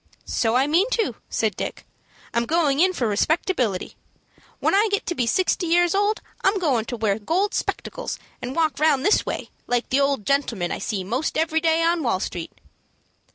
"So I mean to," said Dick. "I'm going in for respectability. When I get to be sixty years old, I'm goin' to wear gold spectacles and walk round this way, like the old gentlemen I see most every day on Wall Street."